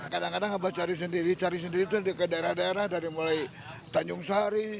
kadang kadang abah cari sendiri cari sendiri ke daerah daerah dari mulai tanjung sari